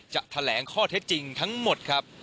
จะแถลงข้อเท็จจริงทั้งหมดครับ